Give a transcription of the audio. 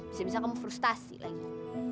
bisa bisa kamu frustasi lagi